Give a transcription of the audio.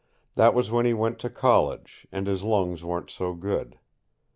That was when he went to college, and his lungs weren't so good.